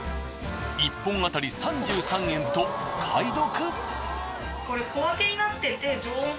１本あたり３３円とお買い得！